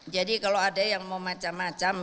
kalau ada yang mau macam macam